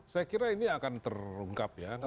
saya kira ini akan terungkap ya